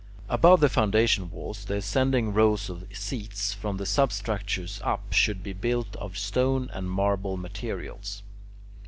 Above the foundation walls, the ascending rows of seats, from the substructures up, should be built of stone and marble materials.